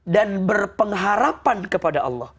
dan berpengharapan kepada allah